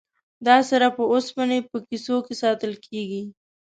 دا سره په اوسپنې په کیسو کې ساتل کیږي.